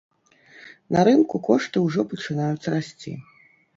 На рынку кошты ўжо пачынаюць расці.